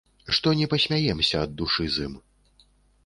Што не пасмяемся ад душы з ім.